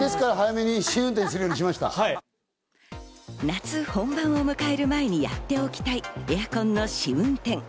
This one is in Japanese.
夏本番を迎える前にやっておきたいエアコンの試運転。